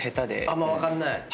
あんま分かんない？